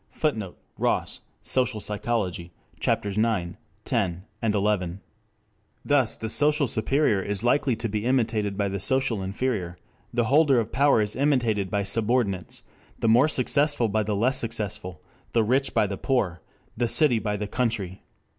[Footnote: Ross, Social Psychology, Ch. IX, X, XI.] Thus the social superior is likely to be imitated by the social inferior, the holder of power is imitated by subordinates, the more successful by the less successful, the rich by the poor, the city by the country.